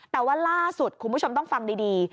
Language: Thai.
แต่ว่าล่าสุดคุณผู้ชมต้องฟังดี